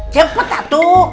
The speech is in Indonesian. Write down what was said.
ceng peta tuh